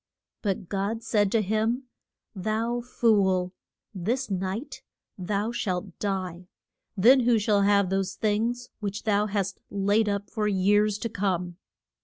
But God said to him, Thou fool, this night thou shalt die. Then who shall have those things which thou hast laid up for years to come?